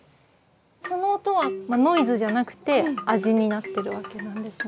その音はノイズじゃなくて味になってるわけなんですね。